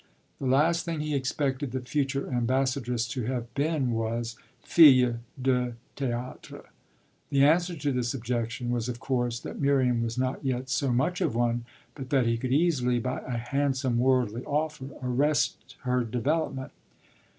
The last thing he expected the future ambassadress to have been was fille de théâtre. The answer to this objection was of course that Miriam was not yet so much of one but that he could easily, by a handsome "worldly" offer, arrest her development.